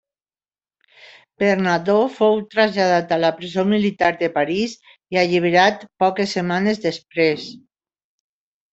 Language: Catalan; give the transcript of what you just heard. Bernadó fou traslladat a la presó militar de Paris i alliberat poques setmanes després.